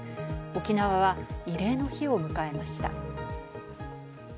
沖縄は慰霊の日を迎えました。